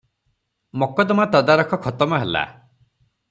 ମକଦ୍ଦମା ତଦାରଖ ଖତମ ହେଲା ।